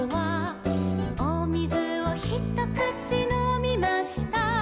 「おみずをひとくちのみました」